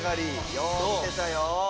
よう見てたよ。